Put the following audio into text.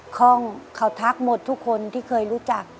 ข้องเขาทักหมดทุกคนที่เคยรู้จัก